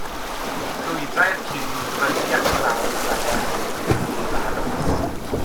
Crwydrai'r ci i fyny ac i lawr glannau'r llyn, ddydd a nos.